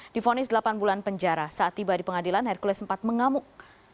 difonis delapan bulan penjara saat tiba di pengadilan hercules sempat mengamuk